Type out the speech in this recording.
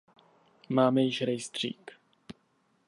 Máme již rejstřík.